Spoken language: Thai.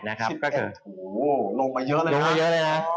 โหโหลงมาเยอะเลยนะ